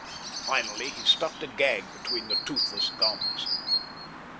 Finally he stuffed a gag between the toothless gums.